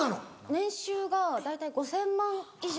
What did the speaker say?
年収が大体５０００万円以上。